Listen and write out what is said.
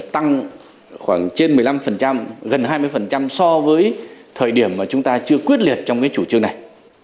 tăng khoảng trên một mươi năm gần hai mươi so với thời điểm mà chúng ta chưa quyết liệt trong chủ trương này